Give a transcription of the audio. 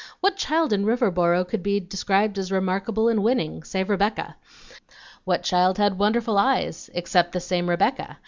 What child in Riverboro could be described as remarkable and winning, save Rebecca? What child had wonderful eyes, except the same Rebecca?